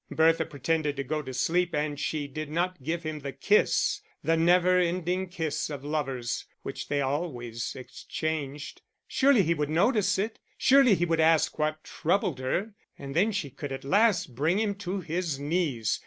Bertha pretended to go to sleep and she did not give him the kiss, the never ending kiss of lovers which they always exchanged. Surely he would notice it, surely he would ask what troubled her, and then she could at last bring him to his knees.